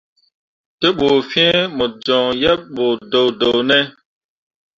Te ɓu fiŋ mo coŋ yebɓo doodoone ?